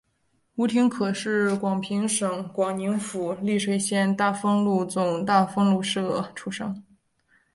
吴廷可是广平省广宁府丽水县大丰禄总大丰禄社出生。